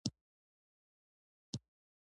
د البرټا ولایت په تیلو بډایه دی.